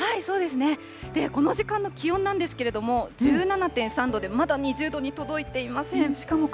この時間の気温なんですけれども、１７．３度でまだ２０度に届いていません。